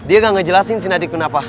dia ga ngejelasin si nadif kenapa